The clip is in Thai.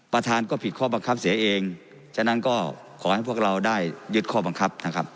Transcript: ประธานก็ผิดข้อบังคับเสียเองฉะนั้นก็ขอให้พวกเราได้ยึดข้อบังคับนะครับ